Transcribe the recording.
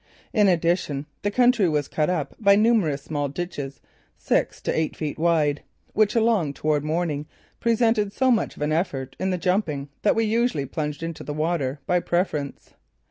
In addition, the country was cut up by numerous small ditches, six to eight feet wide, which along toward morning presented so much of an effort in the jumping that we usually plunged into the water by preference.